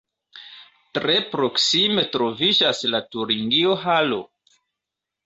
Tre proksime troviĝas la Turingio-halo.